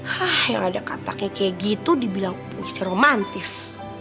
hah yang ada kataknya kayak gitu dibilang puisi romantis